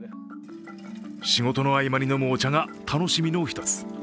仕事の合間に飲むお茶が楽しみの一つ。